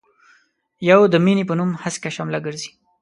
يو د مينې په نوم هسکه شمله ګرزي.